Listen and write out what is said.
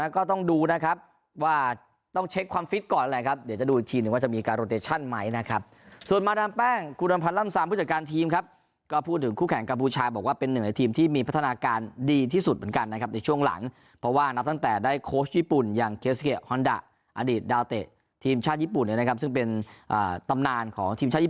ก็ต้องดูนะครับว่าต้องเช็คความฟิตก่อนเลยนะครับเดี๋ยวจะดูอีกทีนึงว่าจะมีการโรเตชั่นไหมนะครับส่วนมาดามแป้งคุณอมพันธ์ร่ำซามผู้จัดการทีมครับก็พูดถึงคู่แข่งกับบูชาบอกว่าเป็นหนึ่งในทีมที่มีพัฒนาการดีที่สุดเหมือนกันนะครับในช่วงหลังเพราะว่านับตั้งแต่ได้โค้ชญี่ปุ่นอย่าง